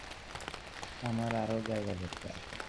আমার আরও জায়গা দরকার।